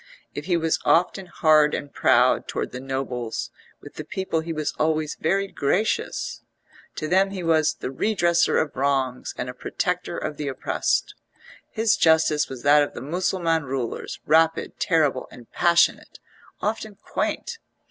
If he was often hard and proud towards the nobles, with the people he was always very gracious; to them he was the redressor of wrongs and a protector of the oppressed; his justice was that of the Mussulman rulers, rapid, terrible and passionate, often quaint.